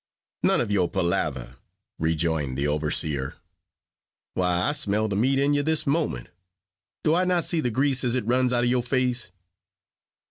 "None of your palaver," rejoined the overseer "Why, I smell the meat in you this moment. Do I not see the grease as it runs out of your face?"